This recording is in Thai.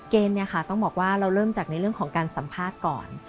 ต้องบอกว่าเราเริ่มจากในเรื่องของการสัมภาษณ์ก่อน